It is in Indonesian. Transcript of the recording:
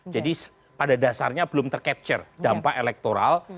jadi pada dasarnya belum tercapture dampak elektoral